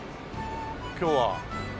今日は。